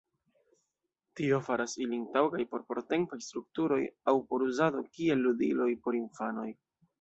Tio faras ilin taŭgaj por portempaj strukturoj, aŭ por uzado kiel ludiloj por infanoj.